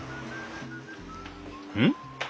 うん？